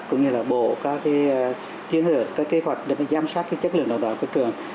cũng như là bộ các cái chiến lược các kế hoạch để giám sát cái chất lượng đạo đạo của trường